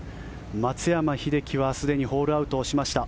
松山英樹はすでにホールアウトしました。